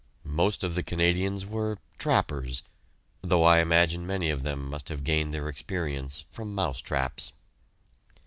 Most of the Canadians were "trappers," though I imagine many of them must have gained their experience from mouse traps.